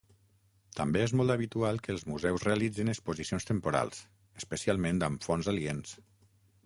També és molt habitual que els museus realitzen exposicions temporals, especialment amb fons aliens.